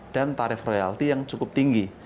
dan tarif royalti yang cukup tinggi